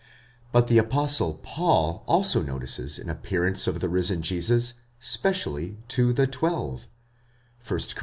but the Apostle Paul also notices an appearance of the risen Jesus, specially to the ¢welve (1 Cor.